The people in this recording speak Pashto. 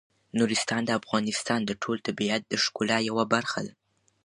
نورستان د افغانستان د ټول طبیعت د ښکلا یوه برخه ده.